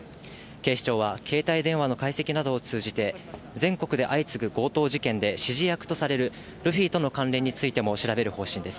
警視庁は携帯電話の解析などを通じて、全国で相次ぐ強盗事件で指示役とされるルフィとの関連についても調べる方針です。